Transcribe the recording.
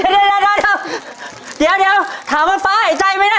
เดี๋ยวเดี๋ยวเดี๋ยวเดี๋ยวถามว่าฟ้าหายใจไหมน่ะ